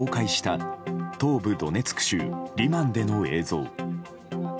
ウクライナ軍が公開した東部ドネツク州リマンでの映像。